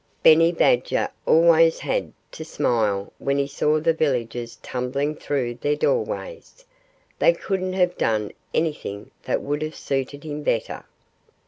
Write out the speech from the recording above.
Benny Badger always had to smile when he saw the villagers tumbling through their doorways. They couldn't have done anything that would have suited him better.